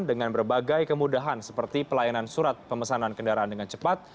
dengan berbagai kemudahan seperti pelayanan surat pemesanan kendaraan dengan cepat